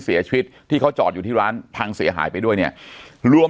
ที่เขาจอดอยู่ที่ร้านพังเสียหายไปด้วยเนี่ยรวม